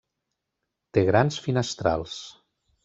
Té grans finestrals.